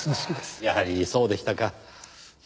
やはりそうでしたか。